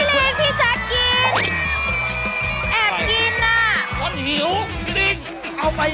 พี่ริงพี่แจ๊คกินแอบกินอ่ะคนหิวพี่ริงเอาไป